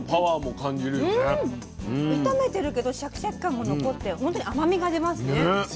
炒めてるけどシャキシャキ感も残って本当に甘みが出ますね。